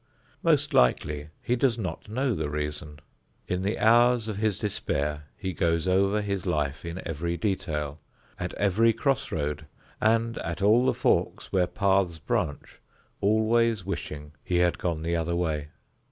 Most likely he does not know the reason. In the hours of his despair he goes over his life in every detail, at every crossroad, and at all the forks where paths branch, always wishing he had gone the other way.